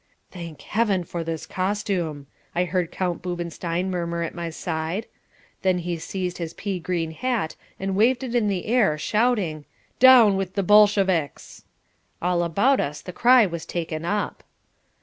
"Thank Heaven for this costume!" I heard Count Boobenstein murmur at my side. Then he seized his pea green hat and waved it in the air, shouting: "Down with the Bolsheviks!" All about us the cry was taken up.